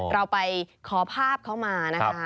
เราไปขอภาพเขามานะคะ